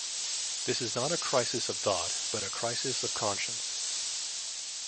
This is not a crisis of thought, but a crisis of conscience.